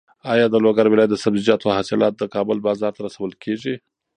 ایا د لوګر ولایت د سبزیجاتو حاصلات د کابل بازار ته رسول کېږي؟